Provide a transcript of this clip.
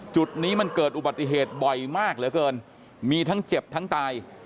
จุดนี้มันเกิดอุบัติเหตุบ่อยมากเหลือเกินมีทั้งเจ็บทั้งตาย